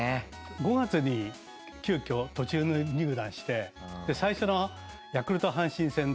５月に急きょ途中入団して最初のヤクルト・阪神戦でいきなりホームラン。